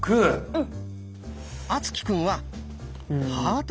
うん。